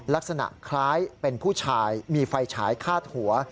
ลักษณะคล้ายเป็นผู้ชายมีไฟฉายคาดหัว